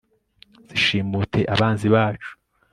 zishimute abanzi bacu